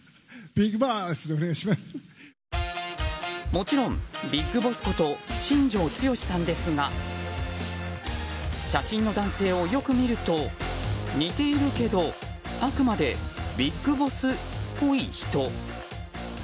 もちろんＢＩＧＢＯＳＳこと新庄剛志さんですが写真の男性をよく見ると似ているけどあくまでＢＩＧＢＯＳＳっぽい人。